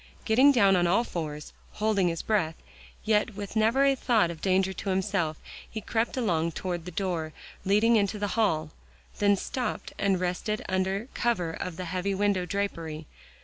Getting down on all fours, holding his breath, yet with never a thought of danger to himself, he crept along toward the door leading into the hall, then stopped and rested under cover of the heavy window drapery.